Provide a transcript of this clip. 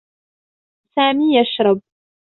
سامي يشرب.